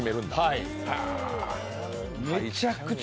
はい、めちゃくちゃ。